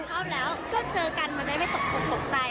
ชอบแล้วให้เจอกันมันจะได้ไม่ตกใจ